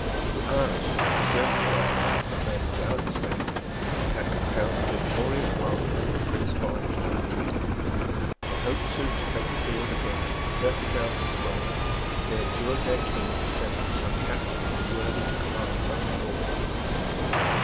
The Irish, deserted by him, had made a gallant stand, and had compelled the victorious army of the Prince of Orange to retreat. They hoped soon to take the field again, thirty thousand strong; and they adjured their King to send them some captain worthy to command such a force.